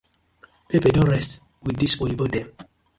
Pepper don rest wit dis oyibo dem.